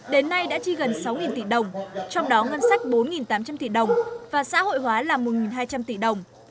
đến nay đã chi gần sáu tỷ đồng trong đó ngân sách bốn tám trăm linh tỷ đồng và xã hội hóa là một hai trăm linh tỷ đồng